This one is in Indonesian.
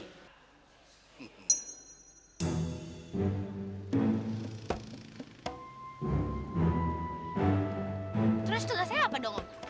terus tugasnya apa dong